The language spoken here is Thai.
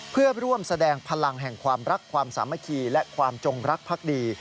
เพื่อร่วมแสดงพลังแห่งความรักความสามัคคีและความจงรักพักดี